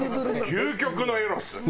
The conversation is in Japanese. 究極のエロス。